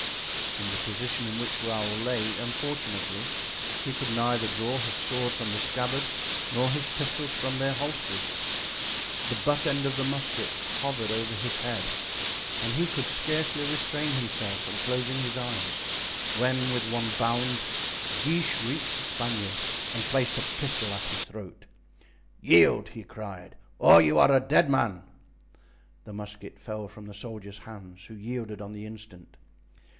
In the position in which Raoul lay, unfortunately, he could neither draw his sword from the scabbard, nor his pistols from their holsters. The butt end of the musket hovered over his head, and he could scarcely restrain himself from closing his eyes, when with one bound Guiche reached the Spaniard and placed a pistol at his throat. "Yield!" he cried, "or you are a dead man!" The musket fell from the soldier's hands, who yielded on the instant.